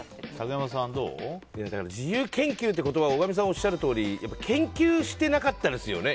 自由研究って言葉は大神さんがおっしゃるとおり研究してなかったですよね。